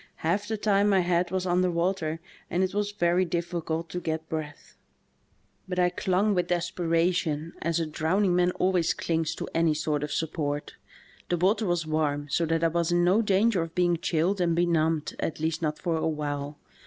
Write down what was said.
Half the time my head was under water and it was very difficult to get breath. ''But I clung with desperation, as a drowning man always clings to any sort of support. The water was warm, so that I was in no danger of being chilled and benumbed, at least not for awhile.